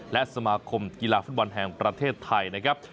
และสมาคมกีฬาฟุตบอลแห่งประเทศไทยนะครับ